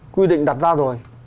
quy định đặt ra rồi